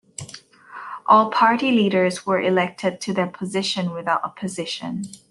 All party leaders were elected to their position without opposition.